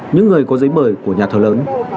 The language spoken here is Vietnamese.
những người có giấy mời của nhà thờ lớn